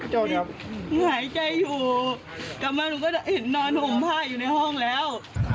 หายใจอยู่กลับมาลูกก็เห็นนอนห่มผ้าอยู่ในห้องแล้ว